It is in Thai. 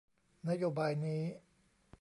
นโยบายนี้